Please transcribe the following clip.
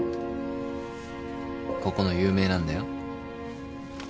ここの有名なんだよ。